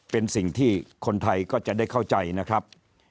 เป็นสิ่งที่คนไทยก็จะได้เข้าใจนะครับ